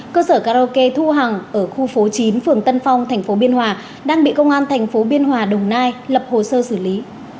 cơ sở karaoke thu hàng ở khu phố chín phường tân phong tp biên hòa đang bị công an tp biên hòa đồng nai lập hồ sơ xử lý